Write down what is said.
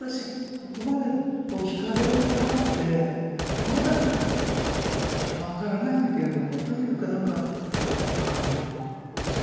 ここまで惹かれるかってまだ分からないんだけれどもとにかく何かその何て言うんだろう